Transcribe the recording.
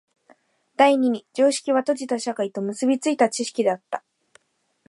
第二に常識は閉じた社会と結び付いた知識であった。